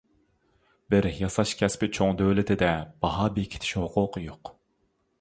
بىر ياساش كەسپى چوڭ دۆلىتىدە باھا بېكىتىش ھوقۇقى يوق!